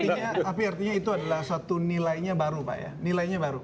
tapi artinya itu adalah satu nilainya baru pak ya